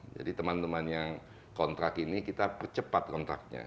jadi teman teman yang kontrak ini kita percepat kontraknya